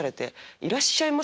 「いらっしゃいませ」。